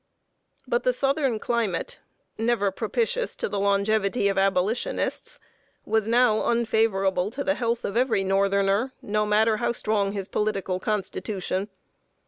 But the southern climate, never propitious to the longevity of Abolitionists, was now unfavorable to the health of every northerner, no matter how strong his political constitution.